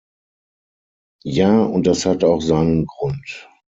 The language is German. Ja, und das hat auch seinen Grund.